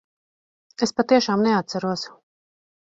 Es patiešām neatceros.